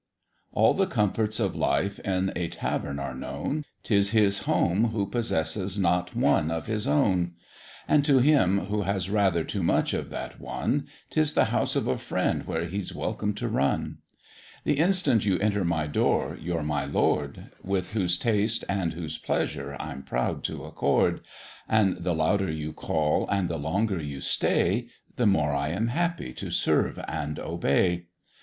All the comforts of life in a Tavern are known, 'Tis his home who possesses not one of his own; And to him who has rather too much of that one, 'Tis the house of a friend where he's welcome to run; The instant you enter my door you're my Lord, With whose taste and whose pleasure I'm proud to accord, And the louder you call, and the longer you stay, The more I am happy to serve and obey.